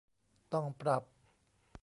ต้องปรับ